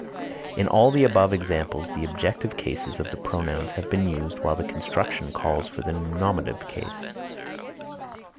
In all the above examples the objective cases of the pronouns have been used while the construction calls for nominative cases.